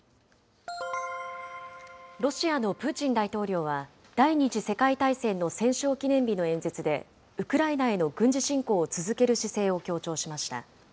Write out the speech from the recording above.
ロシアのプーチン大統領は、第２次世界大戦の戦勝記念日の演説で、ウクライナへの軍事侵攻を続ける姿勢を強調しました。